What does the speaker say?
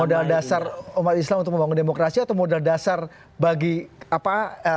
modal dasar umat islam untuk membangun demokrasi atau modal dasar bagi apa